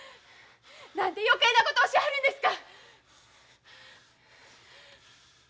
何で余計なことをしはるんですか！